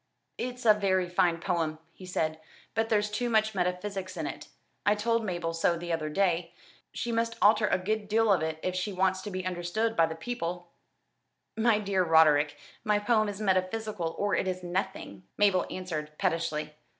"It's a very fine poem," he said, "but there's too much metaphysics in it. I told Mabel so the other day. She must alter a good deal of it if she wants to be understanded of the people." "My dear Roderick, my poem is metaphysical or it is nothing," Mabel answered pettishly.